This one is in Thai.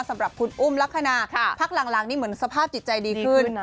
สำหรับคุณอุ้มลักษณะพักหลังนี่เหมือนสภาพจิตใจดีขึ้น